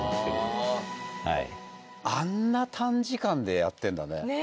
あんな短時間でやってるんだね。